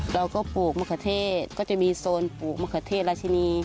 ปลูกมะเขือเทศก็จะมีโซนปลูกมะเขือเทศราชินี